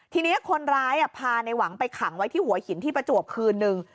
ทีนี้คนร้ายพาในหวังไปขังไว้ที่หัวหินที่ประจวบคืนนึง